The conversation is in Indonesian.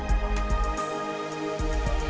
dan dikonsumsi sehari hari